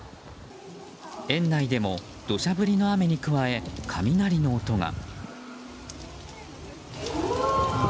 園内でも土砂降りの雨に加え、雷の音が。